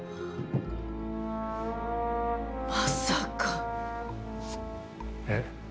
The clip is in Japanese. まさか⁉え？